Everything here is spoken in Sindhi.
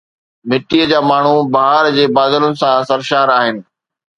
مٽيءَ جا ماڻهو بهار جي بادلن سان سرشار آهن